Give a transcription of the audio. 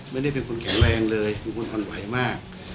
ไม่ได้เป็นคนแข็งแรงเลยเป็นคนอ่อนไหวมาก